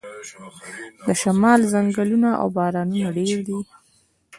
د شمال ځنګلونه او بارانونه ډیر دي.